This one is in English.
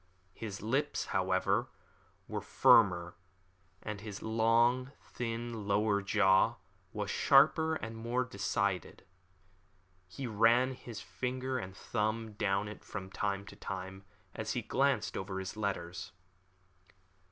His lips, however, were firmer, and his long, thin, lower jaw was sharper and more decided. He ran his finger and thumb down it from time to time, as he glanced over his letters.